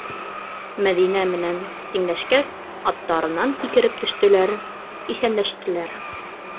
Мәҙинә менән тиңләшкәс, аттарынан һикереп төштөләр, иҫәнләштеләр.